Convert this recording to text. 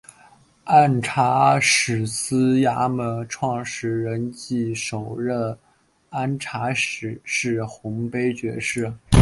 按察使司衙门创设人暨首任按察使是洪卑爵士。